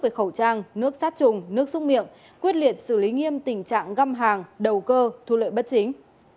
về khẩu trang nước sát trùng nước xúc miệng quyết liệt xử lý nghiêm tình trạng găm hàng đầu cơ thu lợi bất chính